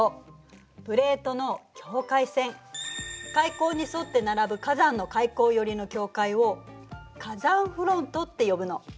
海溝に沿って並ぶ火山の海溝寄りの境界を火山フロントって呼ぶの。